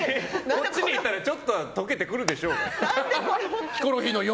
こっちに来たらちょっと溶けてくるでしょうと。